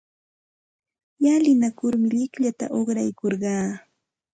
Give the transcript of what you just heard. Llalinakurmi llikllata uqraykurqaa.